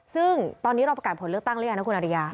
ซึ่งตอนนี้เราประกาศผลเลือกตั้งหรือยังนะคุณอริยา